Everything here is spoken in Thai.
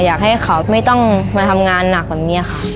อยากให้เขาไม่ต้องมาทำงานหนักแบบนี้ค่ะ